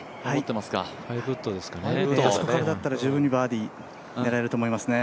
あそこからだったら十分にバーディー狙えると思いますね。